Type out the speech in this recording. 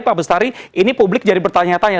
pak bestari ini publik jadi bertanya tanya